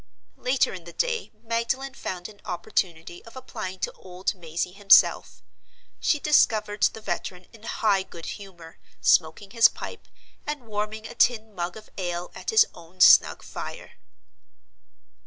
Later in the day Magdalen found an opportunity of applying to old Mazey himself. She discovered the veteran in high good humor, smoking his pipe, and warming a tin mug of ale at his own snug fire.